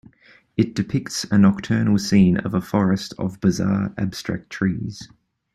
It depicts a nocturnal scene of a forest of bizarre, abstract trees.